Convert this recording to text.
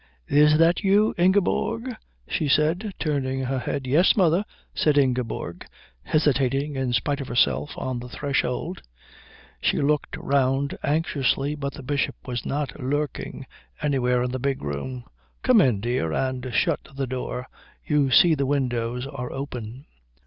"Is that you, Ingeborg?" she said, turning her head. "Yes, mother," said Ingeborg, hesitating in spite of herself on the threshold. She looked round anxiously, but the Bishop was not lurking anywhere in the big room. "Come in, dear, and shut the door. You see the windows are open."